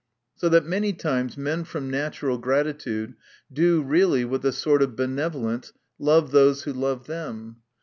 So that many times men from natural gratitude do really with a sort of benevo lence love those who love them.